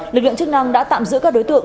lực lượng chức năng đã tạm giữ các đối tượng